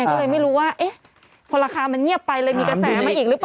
ก็เลยไม่รู้ว่าพอราคามันเงียบไปเลยมีกระแสมาอีกหรือเปล่า